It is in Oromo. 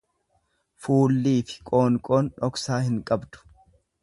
Fuullifi qoonqoon dhoksaa hin qabdu.